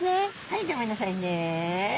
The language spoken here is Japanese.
はいギョめんなさいね。